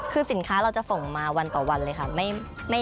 คือสินค้าเราจะส่งมาวันต่อวันเลยค่ะ